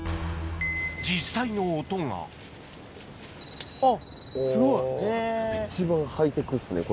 実際の音があっすごい。